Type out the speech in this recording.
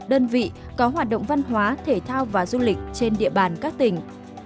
đơn vị có hoạt động văn hóa thể thao và du lịch trên địa bàn các tỉnh